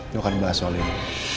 itu akan bahas soal ini